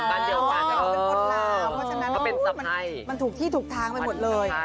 เพราะฉะนั้นมันถูกที่ถูกทางไปหมดเลย